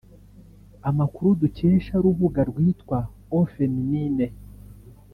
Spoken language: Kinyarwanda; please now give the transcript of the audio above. Amakuru dukesha rubuga rwitwa Au feminine